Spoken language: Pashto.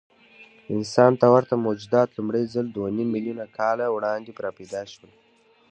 انسان ته ورته موجودات لومړی ځل دوهنیممیلیونه کاله وړاندې راپیدا شول.